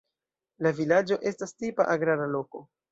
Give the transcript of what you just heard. La vilaĝo estas tipa agrara loko.